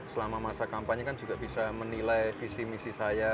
selama masa kampanye kan juga bisa menilai visi misi saya